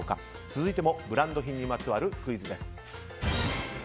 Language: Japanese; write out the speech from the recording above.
続いてもブランド品にまつわるクイズです。